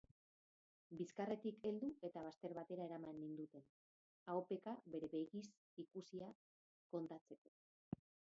Bizkarretik heldu eta bazter batera eramaten ninduten, ahopeka bere begiz ikusia kontatzeko.